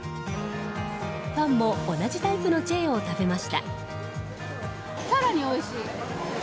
ファンも同じタイプのチェーを食べました。